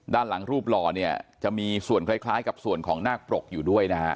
ด้านหลังรูปหล่อเนี่ยจะมีส่วนคล้ายกับส่วนของนาคปรกอยู่ด้วยนะฮะ